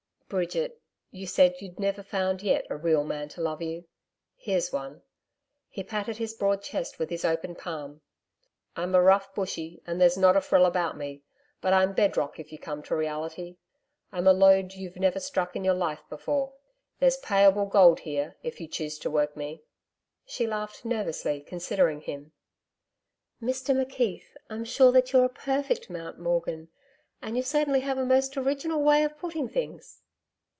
'Bridget you said you'd never found yet a Real Man to love you. Here's one.' He patted his broad chest with his open palm. 'I'm a rough Bushy and there's not a frill about me, but I'm bed rock if you come to Reality. I'm a lode you've never struck in your life before. There's payable gold here, if you choose to work me.' She laughed nervously, considering him. 'Mr McKeith, I'm sure that you're a perfect Mount Morgan, and you certainly have a most original way of putting things.